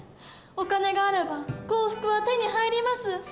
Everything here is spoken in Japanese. お金があれば幸福は手に入ります。